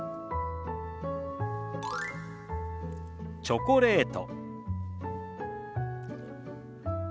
「チョコレート」。